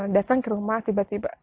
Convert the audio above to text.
datang ke rumah tiba tiba